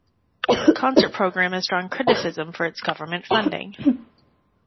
The Concert programme has drawn criticism for its Government funding.